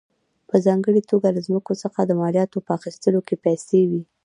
په ځانګړې توګه له ځمکو څخه د مالیاتو په اخیستو کې پیسې وې.